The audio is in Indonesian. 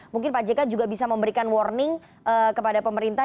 mungkin pak jk juga bisa memberikan warning kepada pemerintah